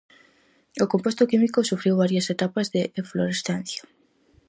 O composto químico sufriu varias etapas de eflorescencia.